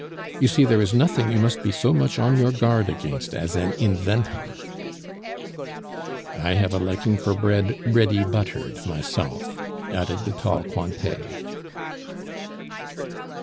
You see, there is nothing you must be so much on your guard against as an inventor." "I have a liking for bread ready buttered myself," added the tall Cointet.